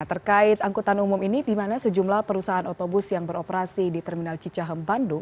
terkait angkutan umum ini di mana sejumlah perusahaan otobus yang beroperasi di terminal cicahem bandung